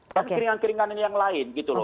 tapi keringan keringan ini yang lain gitu loh